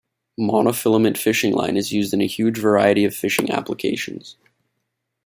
Monofilament fishing line is used in a huge variety of fishing applications.